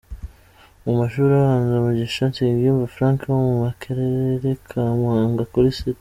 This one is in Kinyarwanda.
Mu mashuri abanza, Mugisha Nsengiyumva Frank wo mu Karere ka Muhanga kuri St.